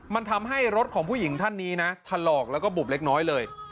มันทำให้รถของผู้หญิงท่านนี้นะถลอกแล้วก็บุบเล็กน้อยเลย